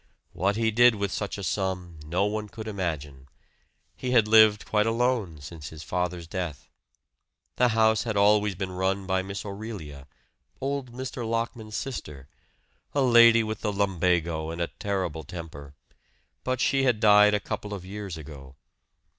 What he did with such a sum no one could imagine; he had lived quite alone since his father's death. The house had always been run by Miss Aurelia, old Mr. Lockman's sister, a lady with the lumbago and a terrible temper; but she had died a couple of years ago.